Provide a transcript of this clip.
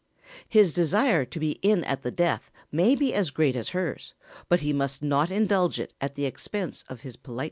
His desire to be in at the death may be as great as hers, but he must not indulge it at the expense of his politeness.